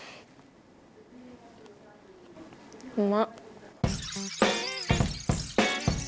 うまっ。